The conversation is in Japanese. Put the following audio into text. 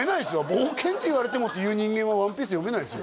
「冒険って言われても」っていう人間は「ワンピース」読めないですよ